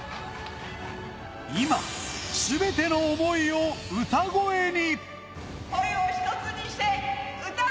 今、全ての想いを歌声に。